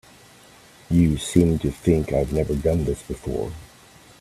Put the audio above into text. You seem to think I've never done this before.